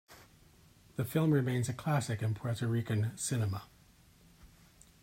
The film remains a classic in Puerto Rican cinema.